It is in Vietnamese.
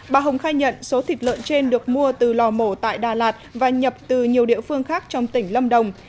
bà hồng khai nhận số thịt lợn trên được mua từ lò mổ tại đà lạt và nhập từ nhiều địa phương khác trong tỉnh lâm đồng